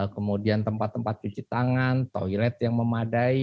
kemudian tempat tempat cuci tangan toilet yang memadai